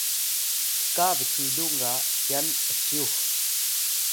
cka bcilung ga kyan ’cyux